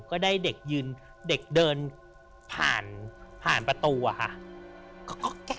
แล้วเราก็ได้เด็กยืนเด็กเดินผ่านประตูอะค่ะ